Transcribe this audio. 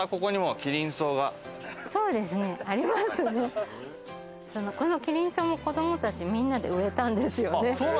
キリンソウも子供たち皆で植えたんですよね。